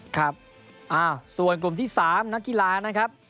ครับส่วนกลุ่มที่๓นักกีฬานะครับ